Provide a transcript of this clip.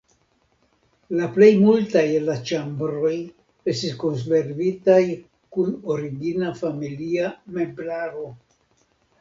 La plej multaj el la ĉambroj estis konservitaj kun origina familia meblaro.